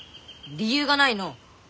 理由がないのう。